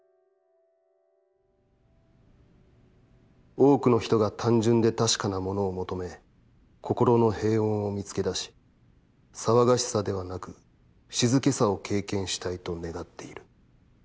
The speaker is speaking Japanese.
「多くのひとが単純で確かなものを求め、心の平穏を見つけだし、騒がしさではなく静けさを経験したいと願っている。